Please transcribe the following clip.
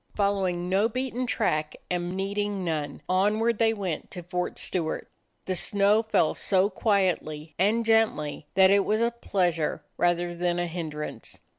Following no beaten track and needing none, onward they went to Fort Stewart. The snow fell so quietly and gently that it was a pleasure rather than a hindrance.